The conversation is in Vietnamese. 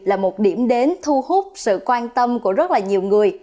là một điểm đến thu hút sự quan tâm của rất là nhiều người